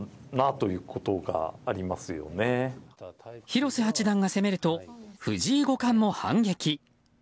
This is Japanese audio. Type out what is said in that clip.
広瀬八段が攻めると藤井五冠も反撃。